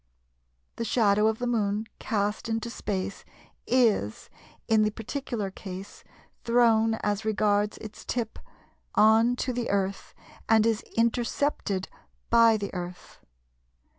The shadow of the Moon cast into space is, in the particular case, thrown as regards its tip on to the Earth and is intercepted by the Earth.